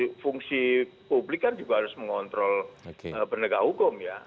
tapi fungsi publik kan juga harus mengontrol penegak hukum ya